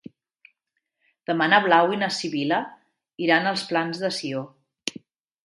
Demà na Blau i na Sibil·la iran als Plans de Sió.